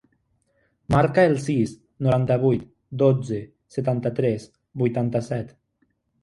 Marca el sis, noranta-vuit, dotze, setanta-tres, vuitanta-set.